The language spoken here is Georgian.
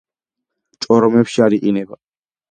ჭორომებში არ იყინება.